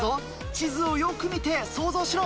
地図をよく見てソウゾウしろ。